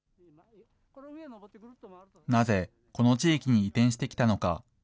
なぜこの地域に移転してきたのか。